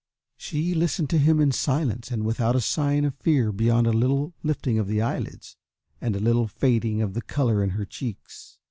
She listened to him in silence and without a sign of fear beyond a little lifting of the eyelids and a little fading of the colour in her cheeks.